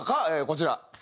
こちら。